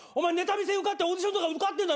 見せ受かってオーディションとか受かってんだろ？